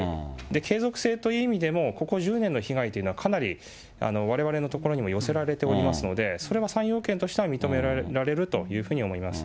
継続性という意味でも、ここ１０年の被害というのは、かなりわれわれのところにも寄せられておりますので、それは３要件としては認められるというふうに思います。